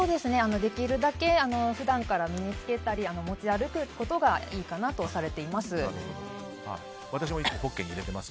できるだけ、普段から身に着けたり持ち歩くことがいいかなとされています。